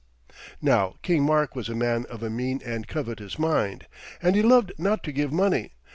Now King Mark was a man of a mean and covetous mind, and he loved not to give money.